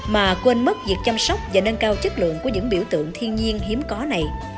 mà quên mất việc chăm sóc và nâng cao chất lượng của những biểu tượng thiên nhiên hiếm có này